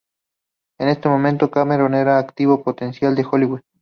En ese momento, Cameron era un activo potencial de Hollywood.